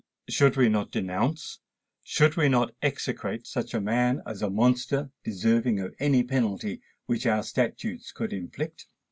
Should we not denounce—should we not execrate such a man as a monster deserving of any penalty which our statutes could inflict?